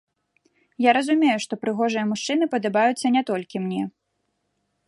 Я разумею, што прыгожыя мужчыны падабаюцца не толькі мне.